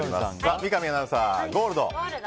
三上アナウンサー、ゴールド。